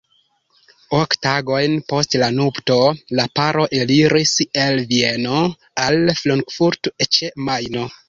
Ok tagojn post la nupto, la paro eliris el Vieno al Frankfurto ĉe Majno.